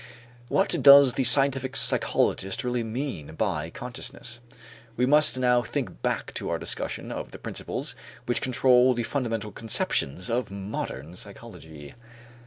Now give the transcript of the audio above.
What does the scientific psychologist really mean by consciousness? We must now think back to our discussion of the principles which control the fundamental conceptions of modern psychology.